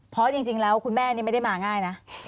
เพราะจริงแล้วคุณแม่นี่ไม่ได้มาง่ายนะ